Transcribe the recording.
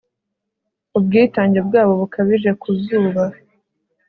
ubwitange bwabo bukabije ku zuba